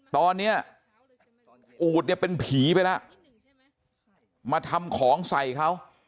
ตอนนี้อูดเนี่ยเป็นผีไปแล้วมาทำของใส่เขา